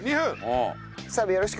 澤部よろしく。